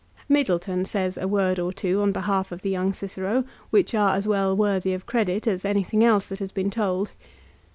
Middleton says a word or two on behalf of the young Cicero, which are as well worthy of credit as anything else that has been told.